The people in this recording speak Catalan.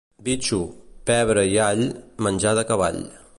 Bitxo, pebre i all, menjar de cavall.